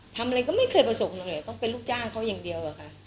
ทำอะไรก็ไม่เคยประสงค์เลยต้องเป็นลูกจ้างเขาอย่างเดียวอะค่ะ